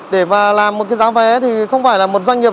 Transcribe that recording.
để mà làm một cái giá vé thì không phải là một doanh nghiệp